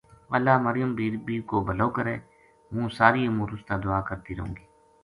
اللہ مریم بی بی کو بھَلو کرے ہوں ساری عمر اُس تا دُعا کرتی رہوں گی